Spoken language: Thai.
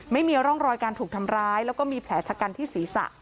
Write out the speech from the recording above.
ไม่มีร่องรอยการถูกทำร้ายแล้วก็มีแผลชะกันที่ศีรษะ